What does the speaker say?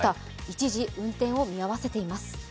一時、運転を見合わせています。